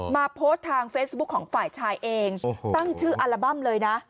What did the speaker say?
มาโพสต์ทางเฟซบุ๊คของฝ่ายชายเองตั้งชื่ออัลบั้มเลยนะ